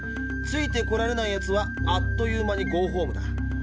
ついてこられないやつはあっという間にゴーホームだ。